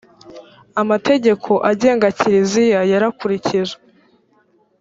amategeko agenga kiliziya yarakurikijwe